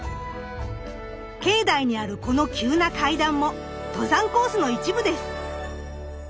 境内にあるこの急な階段も登山コースの一部です。